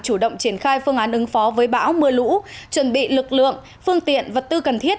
chủ động triển khai phương án ứng phó với bão mưa lũ chuẩn bị lực lượng phương tiện vật tư cần thiết